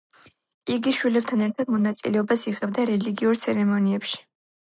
იგი შვილებთან ერთად, მონაწილეობას იღებდა რელიგიურ ცერემონიებში.